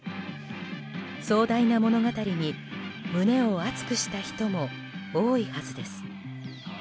壮大な物語に胸を熱くした人も多いはずです。